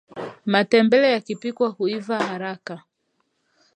matembele yakipikwa huiva haraka